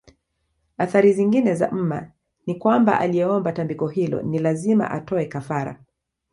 Athari zingine za mma ni kwamba aliyeomba tambiko hilo ni lazima atoe kafara